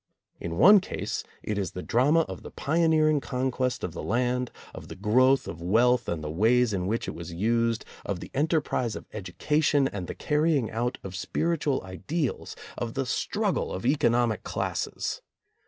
In one case it is the drama of the pioneer ing conquest of the land, of the growth of wealth and the ways in which it was used, of the enter prise of education, and the carrying out of spirit ual ideals, of the struggle of economic classes.